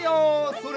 それ！